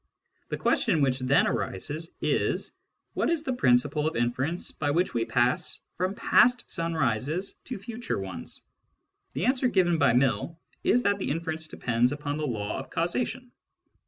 The question which then arises is : What is the principle of inference by which we pass from past sunrises to future ones ? The answer given by Mill is that the inference depends \ upon the law of causation.